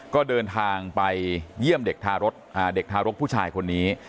ก็เดินทางไปเยี่ยมเด็กทารกผู้ชายคนนี้